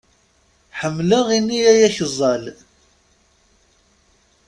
Ḥemmelaɣ ini akeẓẓal.